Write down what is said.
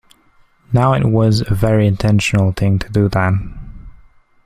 Now, it was a very intentional thing to do that.